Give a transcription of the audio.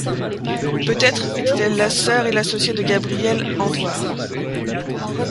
Peut-être était-elle la sœur et l'associée de Gabriel Andouard.